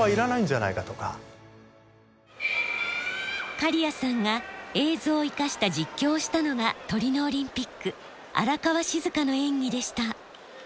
刈屋さんが映像を生かした実況をしたのがトリノオリンピック荒川静香の演技でした。